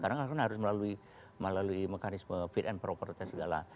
karena harus melalui mekanisme fit and proper dan segala